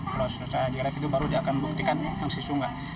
kalau susah diharapkan itu baru sudah akan membuktikan yang sesungguhnya